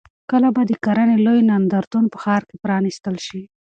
کله به د کرنې لوی نندارتون په ښار کې پرانیستل شي؟